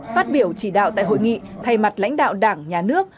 phát biểu chỉ đạo tại hội nghị thay mặt lãnh đạo đảng nhà nước